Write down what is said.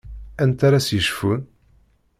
Anta ara s-yecfun?